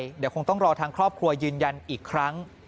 เดี๋ยวคงต้องรอทางครอบครัวยืนยันอีกครั้ง